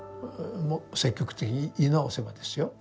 積極的に言い直せばですよ。